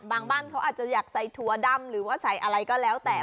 บ้านเขาอาจจะอยากใส่ถั่วดำหรือว่าใส่อะไรก็แล้วแต่